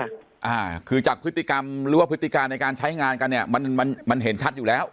อ่าคือจากพฤติกรรมหรือว่าพฤติการในการใช้งานกันเนี้ยมันมันเห็นชัดอยู่แล้ว